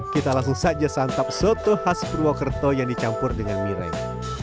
kita langsung saja santap soto khas purwokerto yang dicampur dengan mirai